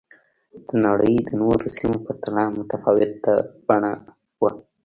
د نړۍ د نورو سیمو په پرتله متفاوته بڼه وه